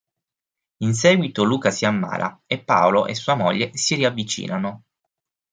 In seguito Luca si ammala, e Paolo e sua moglie si riavvicinano.